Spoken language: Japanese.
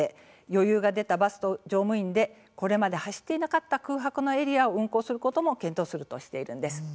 余裕が出たバスと乗務員でこれまで走っていなかった空白のエリアを運行をすることも検討するとしているんです。